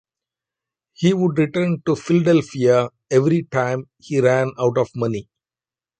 He would return to Philadelphia every time he ran out of money.